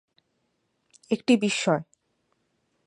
একটি বিস্ময়।